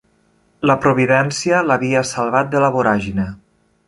La providència l'havia salvat de la voràgine.